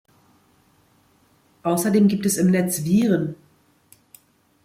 Außerdem gibt es im Netz Viren.